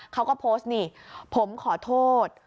เขาก็โพสต์นี่ผมขอโทษ